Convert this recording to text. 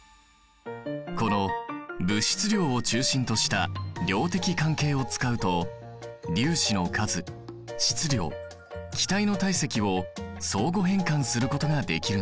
この物質量を中心とした量的関係を使うと粒子の数質量気体の体積を相互変換することができるんだ。